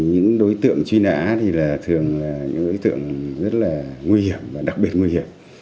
những đối tượng truy nã thì thường là những đối tượng rất là nguy hiểm và đặc biệt nguy hiểm